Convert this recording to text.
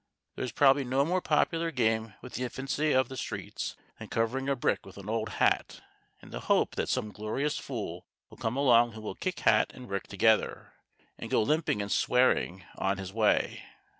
There is probably no more popular game with the infancy of the streets than covering a brick with an old hat in the hope that some glorious fool will come along who will kick hat and brick together, and go limping and swearing on his way.